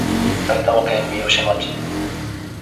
埼玉県三芳町